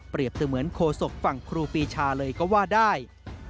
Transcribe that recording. เปรียบจะเหมือนโคศกฝั่งครูปีชาเลยก็ว่าได้